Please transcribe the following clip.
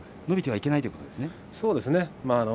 伸びてはいけないということですね。